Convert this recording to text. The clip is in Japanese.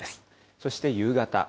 そして夕方。